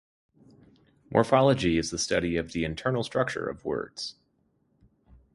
Morphology is the study of the internal structure of words.